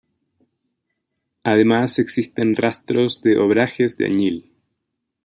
Además existen rastros de obrajes de añil.